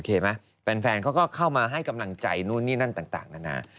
แฟนเขาก็เข้ามาให้กำลังใจนู่นนี่นั่นต่างนานา